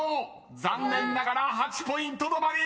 ［残念ながら８ポイント止まり！］